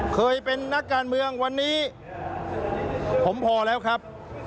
เคยเป็นนักการเมืองวันนี้ผมพอแล้วครับ